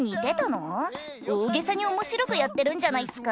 大げさに面白くやってるんじゃないっすか？